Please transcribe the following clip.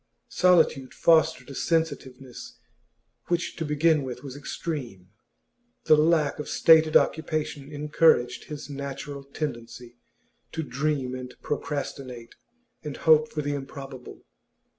Solitude fostered a sensitiveness which to begin with was extreme; the lack of stated occupation encouraged his natural tendency to dream and procrastinate and hope for the improbable.